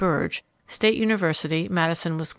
Birge, State University, Madison, Wis.